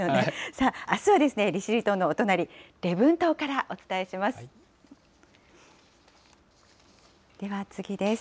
さあ、あすは利尻島のお隣、礼文島からお伝えします。